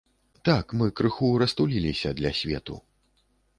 Так, мы крыху растуліліся для свету.